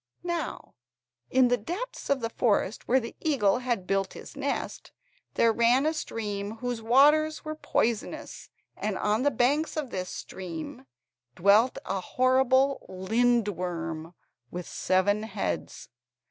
Now, in the depths of the forest where the eagle had built his nest, there ran a stream whose waters were poisonous, and on the banks of this stream dwelt a horrible lindworm with seven heads.